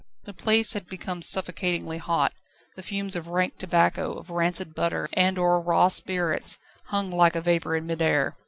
The place had become suffocatingly hot; the fumes of rank tobacco, of rancid butter, and of raw spirits hung like a vapour in mid air.